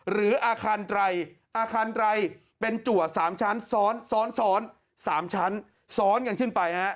หรืออาคารไตรอาคารไตรเป็นจัว๓ชั้นซ้อนซ้อน๓ชั้นซ้อนกันขึ้นไปฮะ